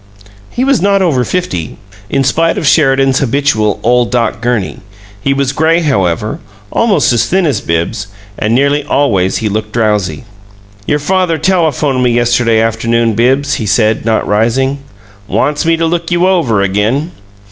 He was not over fifty, in spite of Sheridan's habitual "ole Doc Gurney." He was gray, however, almost as thin as Bibbs, and nearly always he looked drowsy. "Your father telephoned me yesterday afternoon, Bibbs," he said, not rising. "Wants me to 'look you over' again.